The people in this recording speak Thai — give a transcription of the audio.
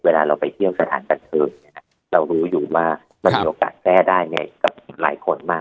เวลาเราไปเที่ยวสถานบันเทิงเรารู้อยู่ว่ามันมีโอกาสแพร่ได้กับหลายคนมาก